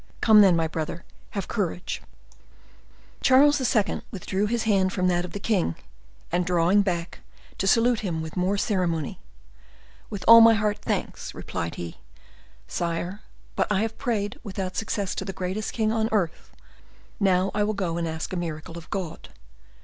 Come, then, my brother, have courage!" Charles II. withdrew his hand from that of the king, and drawing back, to salute him with more ceremony, "With all my heart, thanks!" replied he, "sire; but I have prayed without success to the greatest king on earth; now I will go and ask a miracle of God."